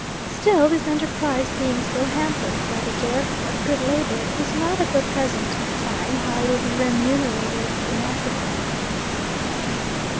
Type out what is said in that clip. Still this enterprise being so hampered by the dearth of good labour is not at the present time highly remunerative in Africa.